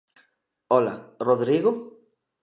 Ola, Rodrigo?